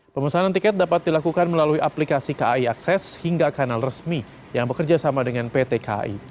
pemesanan tiket dapat dilakukan melalui aplikasi kai akses hingga kanal resmi yang bekerja sama dengan pt kai